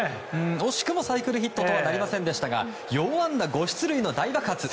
惜しくもサイクルヒットとはなりませんでしたが４安打５出塁の大爆発！